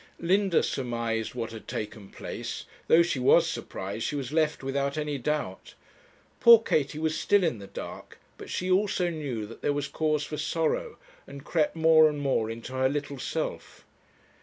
Linda surmised what had taken place; though she was surprised, she was left without any doubt. Poor Katie was still in the dark, but she also knew that there was cause for sorrow, and crept more and more into her little self.